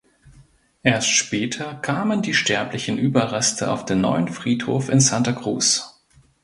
Erst später kamen die sterblichen Überreste auf den neuen Friedhof in Santa Cruz.